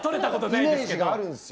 イメージがあるんですよ。